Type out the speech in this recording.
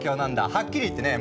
はっきり言ってね